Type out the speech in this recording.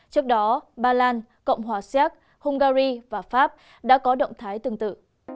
trước đó bà lan cộng hòa siác hungary và pháp đã có động thái tương tự